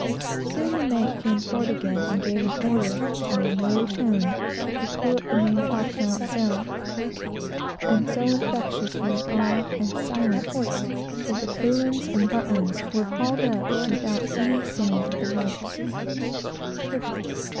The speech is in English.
Soon the mate came forward again, and gave an order, in a low tone, to clew up the main top gallant sail; and so infectious was the awe and silence, that the clewlines and buntlines were hauled up without any of the customary singing out at the ropes.